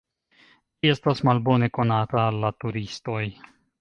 Ĝi estas malbone konata al la turistoj.